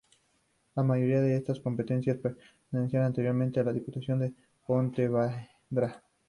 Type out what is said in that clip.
La mayoría de estas competencias pertenecían anteriormente a la Diputación de Pontevedra.